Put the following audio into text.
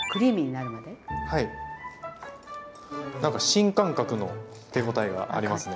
なんか新感覚の手応えがありますね。